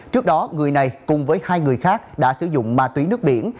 trước đó người này cùng với hai người khác đã sử dụng ma túy nước biển